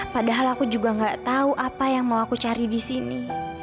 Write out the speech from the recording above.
padahal aku juga gak tahu apa yang mau aku cari di sini